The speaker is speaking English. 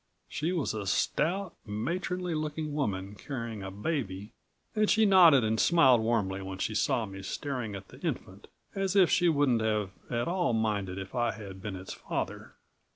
She was a stout, matronly looking woman carrying a baby and she nodded and smiled warmly when she saw me staring at the infant, as if she wouldn't have at all minded if I had been its father.